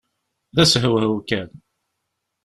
D ashewhew kan!